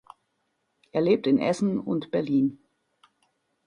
Er lebt in Essen und Berlin.